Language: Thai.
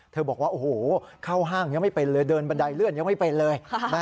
บอกว่าโอ้โหเข้าห้างยังไม่เป็นเลยเดินบันไดเลื่อนยังไม่เป็นเลย